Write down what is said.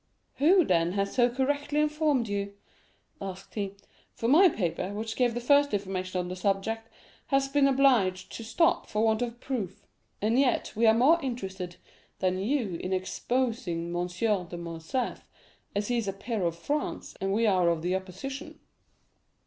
"Who, then, has so correctly informed you?" asked he; "for my paper, which gave the first information on the subject, has been obliged to stop for want of proof; and yet we are more interested than you in exposing M. de Morcerf, as he is a peer of France, and we are of the opposition."